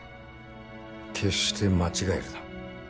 決して間違えるな。